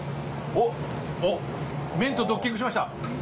おっ麺とドッキングしました！